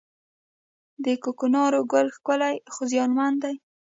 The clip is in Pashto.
د کوکنارو ګل ښکلی خو زیانمن دی